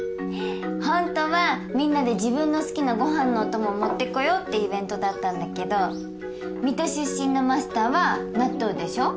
ホントはみんなで自分の好きなご飯のお供持ってこようってイベントだったんだけど水戸出身のマスターは納豆でしょ。